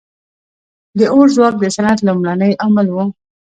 • د اور ځواک د صنعت لومړنی عامل و.